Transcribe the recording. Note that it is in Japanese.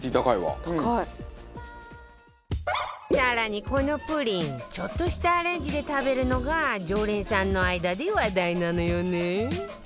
更にこのプリンちょっとしたアレンジで食べるのが常連さんの間で話題なのよね